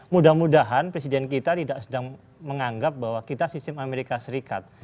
mudah mudahan presiden kita tidak sedang menganggap bahwa kita sistem amerika serikat